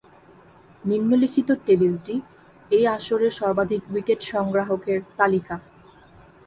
নিম্নলিখিত টেবিলটি এই আসরের সর্বাধিক উইকেট সংগ্রাহকের তালিকা।